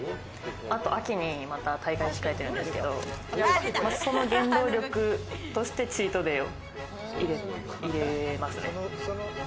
あと秋にまた大会控えてるんですけど、その原動力としてチートデイを入れますね。